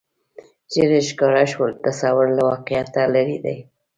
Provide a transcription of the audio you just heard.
ژر ښکاره شول تصور له واقعیته لرې دی